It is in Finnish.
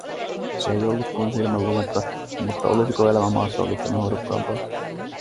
Se ei ollut kuin silmänlumetta… Mutta olisiko elämä maassa ollut sen hohdokkaampaa?